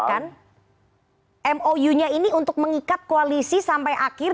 bahkan mou nya ini untuk mengikat koalisi sampai akhir